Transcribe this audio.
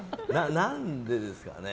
何でですかね